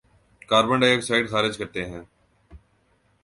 carbon dioxide خارج کرتے ہیں